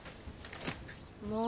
もう！